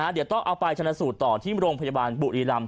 เดี๋ยวต้องเอาไปชนะสูตรต่อที่โรงพยาบาลบุรีรำ